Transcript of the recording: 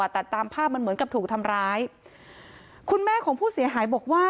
แต่ตามภาพมันเหมือนกับถูกทำร้ายคุณแม่ของผู้เสียหายบอกว่า